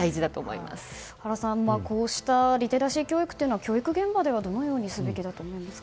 原さん、こうしたリテラシー教育というのは教育現場ではどのようにすべきだと思いますか。